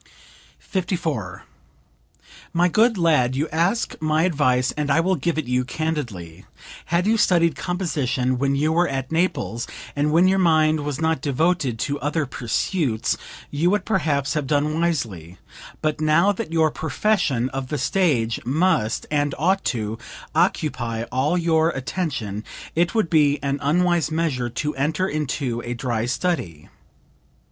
54. "My good lad, you ask my advice and I will give it you candidly; had you studied composition when you were at Naples, and when your mind was not devoted to other pursuits, you would, perhaps, have done wisely; but now that your profession of the stage must, and ought to, occupy all your attention, it would be an unwise measure to enter into a dry study.